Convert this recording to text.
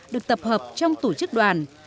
được tập hợp trong tổ chức đoàn